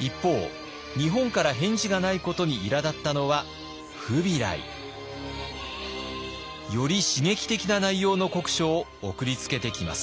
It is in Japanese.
一方日本から返事がないことにいらだったのはフビライ。より刺激的な内容の国書を送りつけてきます。